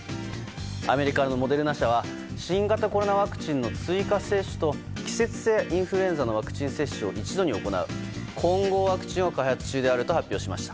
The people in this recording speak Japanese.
アメリカのモデルナ社は新型コロナワクチンの追加接種と季節性インフルエンザのワクチン接種を一度に行う混合ワクチンを開発中であると発表しました。